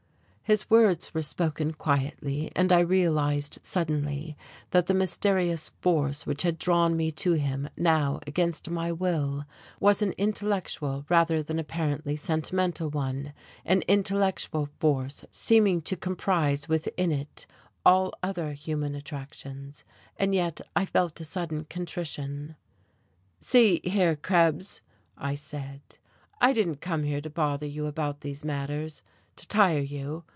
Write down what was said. His words were spoken quietly, but I realized suddenly that the mysterious force which had drawn me to him now, against my will, was an intellectual rather than apparently sentimental one, an intellectual force seeming to comprise within it all other human attractions. And yet I felt a sudden contrition. "See here, Krebs," I said, "I didn't come here to bother you about these matters, to tire you.